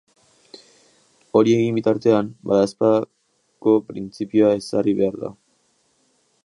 Hori egin bitartean, badaezpadako printzipioa ezarri behar da.